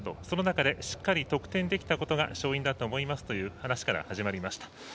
その中で、しっかり得点できたことが勝因だと思いますという話から始まりました。